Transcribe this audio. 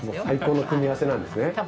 最高の組み合わせなんですね。